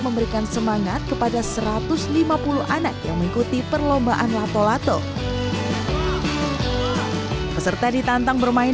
memberikan semangat kepada satu ratus lima puluh anak yang mengikuti perlombaan lato lato peserta ditantang bermain